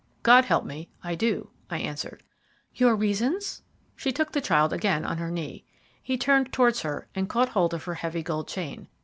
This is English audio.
"God help me, I do," I answered. "Your reasons?" She took the child again on her knee. He turned towards her and caught hold of her heavy gold chain.